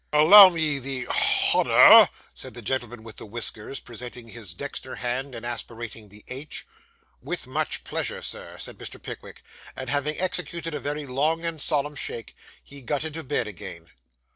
'Allow me the H onour,' said the gentleman with the whiskers, presenting his dexter hand, and aspirating the h. 'With much pleasure, sir,' said Mr. Pickwick; and having executed a very long and solemn shake, he got into bed again.